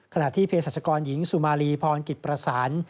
ที่เพศรัชกรหญิงสุมารีพรกิจประสาน